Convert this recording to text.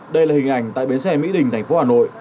đây là hình ảnh tại bến xe mỹ đình thành phố hà nội